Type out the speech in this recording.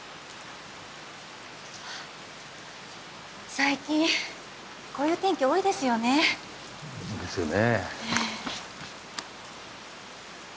最近こういう天気多いですよね。ですよね。